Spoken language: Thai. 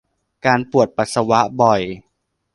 การปวดปัสสาวะบ่อย